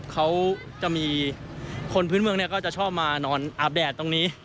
เขาจะมีคนพื้นเมืองก็จะชอบมานอนอาบแดดตรงนี้